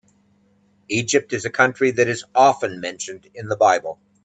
Egypt is a country that is often mentioned in the Bible.